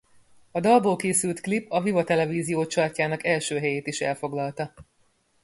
A dalból készült klip a Viva televízió chartjának első helyét is elfoglalta.